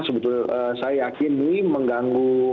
sebetulnya saya yakin nih mengganggu elektabilitas ahok